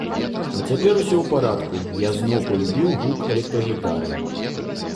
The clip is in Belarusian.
А цяпер усё ў парадку, я зноў палюбіў гук электрагітары.